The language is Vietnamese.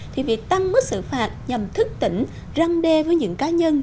thì việc tăng mức xử phạt nhằm thức tỉnh răng đe với những cá nhân